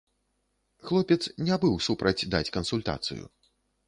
Хлопец не быў супраць даць кансультацыю.